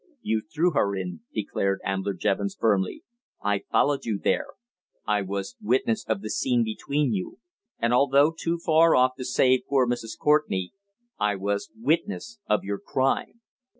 You threw her in," declared Ambler Jevons, firmly. "I followed you there. I was witness of the scene between you; and, although too far off to save poor Mrs. Courtenay, I was witness of your crime!"